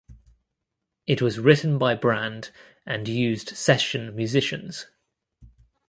It was written by Brand and used session musicians.